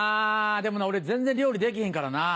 でもな俺全然料理できへんからなぁ。